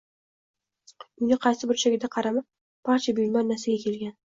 Uyni qaysi burchagiga qarama, barcha buyumlar nasiyaga kelgan